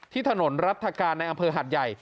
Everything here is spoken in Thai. ถนนรัฐกาลในอำเภอหัดใหญ่